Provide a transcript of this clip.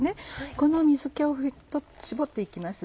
この水気を絞って行きます。